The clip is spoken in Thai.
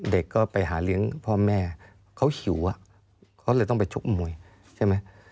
เด็กก็ไปหาเลี้ยงพ่อแม่เขาหิวเขาเลยต้องไปชกมวยใช่ไหม